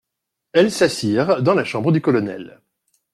Elles s'assirent dans la chambre du colonel.